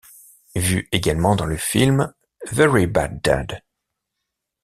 Vu également dans le film Very bad dad.